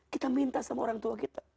kita minta sama orang tua kita